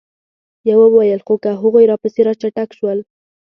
يوه وويل: خو که هغوی راپسې را چټک شول؟